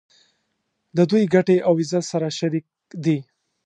د دوی ګټې او عزت سره شریک دي.